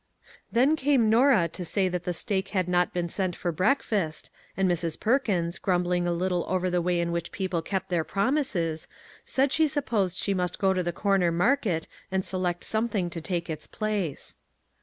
Then came Norah to say that the steak had not been sent for breakfast, and Mrs. Perkins, grumbling a little over the way in which people kept their promises, said she supposed she must go to the corner market and select something to take its place.